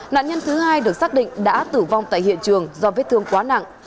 nạn nhân thứ hai được xác định đã tử vong tại hiện trường do vết thương quá nặng